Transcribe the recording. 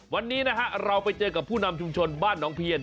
วันนี้นะฮะเราไปเจอกับผู้นำชุมชนบ้านหนองเพียน